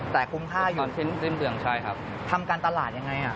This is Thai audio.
แต่คุ้มค่าอยู่ใช่ครับทำการตลาดอย่างไร